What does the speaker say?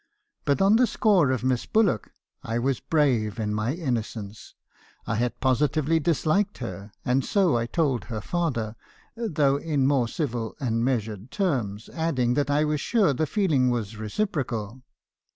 But on the score of Miss Bullock, I was brave in my innocence. I had positively disliked her; and so I told her father, though in more civil 300 mr. habrison's concessions. and measured terms, adding that I was sure the feeling was reciprocal.